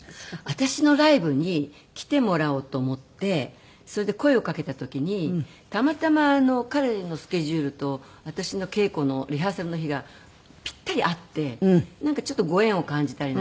私のライブに来てもらおうと思ってそれで声をかけた時にたまたま彼のスケジュールと私の稽古のリハーサルの日がピッタリ合ってなんかちょっとご縁を感じたりなんかして。